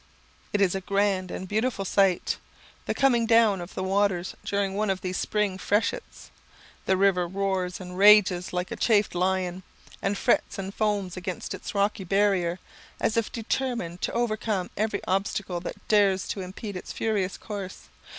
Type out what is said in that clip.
It is a grand and beautiful sight, the coming down of the waters during one of these spring freshets. The river roars and rages like a chafed lion; and frets and foams against its rocky barrier, as if determined to overcome every obstacle that dares to impede its furious course.